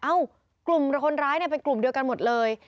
เอ้ากลุ่มคนร้ายเป็นกลุ่มเดียวกันหมดเลย